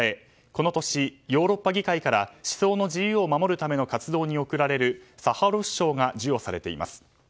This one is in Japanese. この年、ヨーロッパ議会から思想の自由を守る活動に贈られる賞を授与されています。